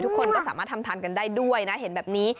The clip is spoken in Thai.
ทุกคนก็สามารถทำทานกันได้ด้วยนะเห็นแบบนี้